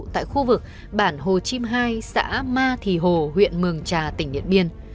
tại khu vực bản hồ chim hai xã ma thì hồ huyện mường trà tỉnh điện biên